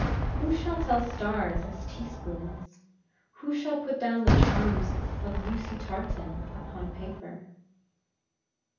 Who shall tell stars as teaspoons? Who shall put down the charms of Lucy Tartan upon paper?